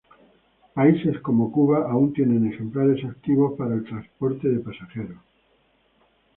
Países como Cuba aún tienen ejemplares activos para el transporte de pasajeros.